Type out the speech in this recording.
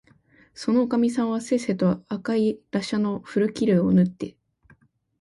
そのおかみさんはせっせと赤いらしゃの古切れをぬって、